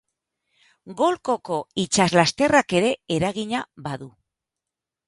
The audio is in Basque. Golkoko itsaslasterrak ere eragina badu.